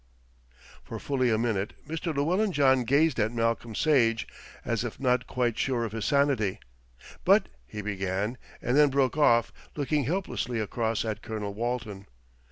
For fully a minute Mr. Llewellyn John gazed at Malcolm Sage, as if not quite sure of his sanity. "But," he began, and then broke off, looking helplessly across at Colonel Walton.